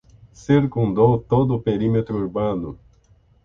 Circundou todo o perímetro urbano